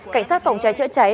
cảnh sát phòng cháy chữa cháy